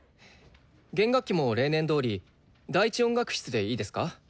弦楽器も例年どおり第一音楽室でいいですか？